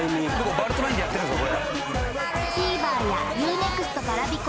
バルト９でやってるんですか